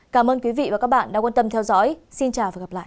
cảm ơn quý vị và các bạn đã quan tâm theo dõi xin chào và hẹn gặp lại